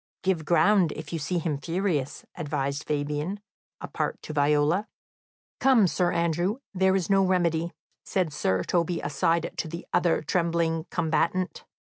"Give ground, if you see him furious," advised Fabian apart to Viola. "Come, Sir Andrew, there is no remedy," said Sir Toby aside to the other trembling combatant.